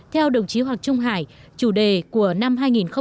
theo đồng chí hoàng trung hải chủ đề của năm hai nghìn một mươi tám